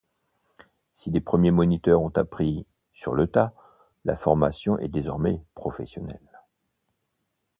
Si les premiers moniteurs ont appris “sur le tas”, la formation est désormais professionnelle.